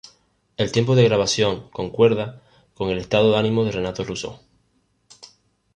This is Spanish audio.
El tiempo de grabación concuerda con el estado de ánimo de Renato Russo.